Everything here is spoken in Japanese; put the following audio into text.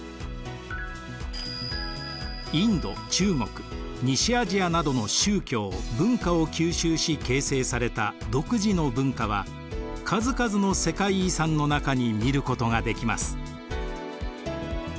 インド・中国・西アジアなどの宗教・文化を吸収し形成された独自の文化は数々の世界遺産の中に見ることができます。